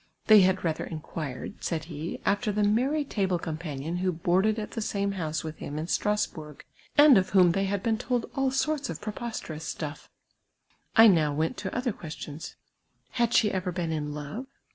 They had rather inquired, said he, after the merry tiible companion who boarded at the same house with him in Strasburj;, and of whom they had been told all sorts of preposterous stutt". I now went to other questions : Had she ever been in love